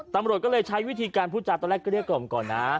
ตำรวจก็เลยใช้วิธีการพูดจาตอนแรกเกลี้ยกล่อมก่อนนะ